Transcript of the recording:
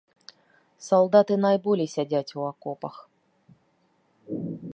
Салдаты найболей сядзяць у акопах.